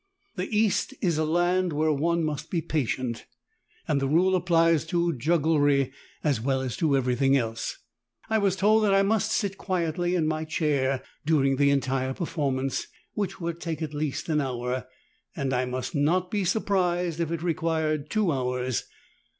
The East is a land where one must be patient, and the rule applies to jugglery as well as to every thing else. I was told that I must sit quietl}^ in my chair during the entire performance, which would at least take an hour, and I must not be surprised if it required two hours.